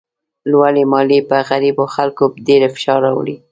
لوړې مالیې پر غریبو خلکو ډېر فشار راولي.